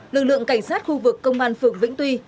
lực lượng cảnh sát khu vực công an phường vĩnh tuy